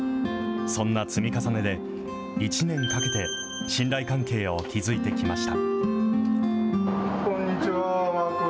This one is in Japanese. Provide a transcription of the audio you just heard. そんな積み重ねで、１年かけて信頼関係を築いてきました。